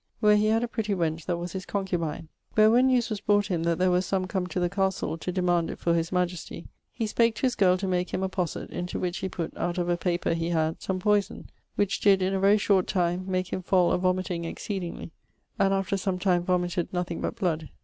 ], where he had a prettie wench that was his concubine; where when newes was brought him that there were some come to the castle to demaund it for his majestie, he spake to his girle to make him a posset, into which he putt, out of a paper he had, some poyson, which did, in a very short time, make him fall a vomiting exceedingly; and after some time vomited nothing but bloud.